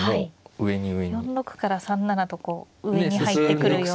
４六から３七とこう上に入ってくるような。